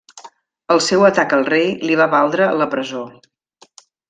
El seu atac al rei li va valdre la presó.